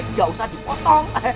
tidak usah dipotong